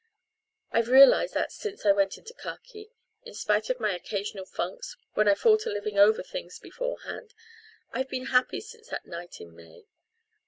I've realised that since I went into khaki. In spite of my occasional funks, when I fall to living over things beforehand, I've been happy since that night in May.